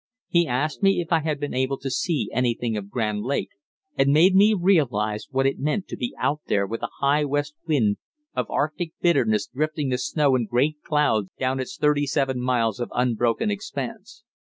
He asked me if I had been able to see anything of Grand Lake, and made me realise what it meant to be out there with a high west wind of Arctic bitterness drifting the snow in great clouds down its thirty seven miles of unbroken expanse.